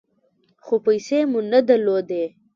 خو پیسې مو نه درلودې .